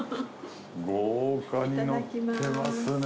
豪華にのってますね。